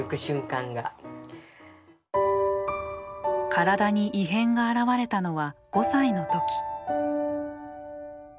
体に異変が現れたのは５歳の時。